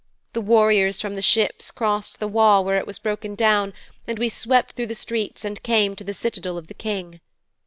The warriors from the ships crossed the wall where it was broken down, and we swept through the streets and came to the citadel of the King.